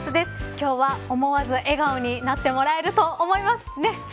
今日は、思わず笑顔になってもらえると思います。